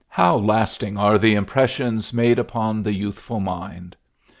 How lasting are the impressions made upon the youthful mind!